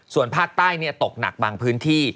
ส่วนภาคใต้ตกหนักบางพื้นที่